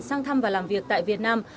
sang thăm và làm việc tại việt nam